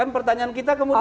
pertanyaan kita kemudian jadi